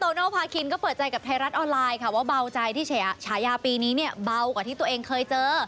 โนภาคินก็เปิดใจกับไทยรัฐออนไลน์ค่ะว่าเบาใจที่ฉายาปีนี้เนี่ยเบากว่าที่ตัวเองเคยเจอ